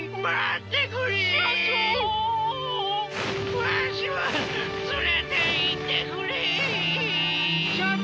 わしも連れていってくれ！社長！